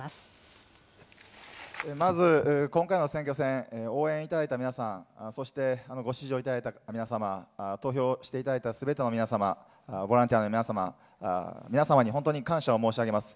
まず、今回の選挙戦、応援いただいた皆さん、そしてご支持をいただいた皆様、投票していただいたすべての皆様、ボランティアの皆様、皆様に本当に感謝を申し上げます。